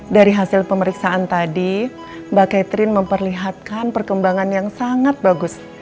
dari hasil pemeriksaan tadi mbak catherine memperlihatkan perkembangan yang sangat bagus